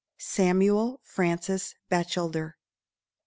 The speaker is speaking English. _Samuel Francis Batchelder.